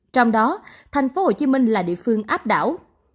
trong đó thành phố hồ chí minh là địa phương áp đảo